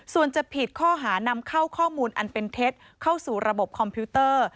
ส่วนจะผิดข้อหานำเข้าข้อมูลอันเป็นเท็จเข้าสู่ระบบคอมพิวเตอร์